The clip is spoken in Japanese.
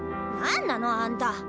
何なのあんた！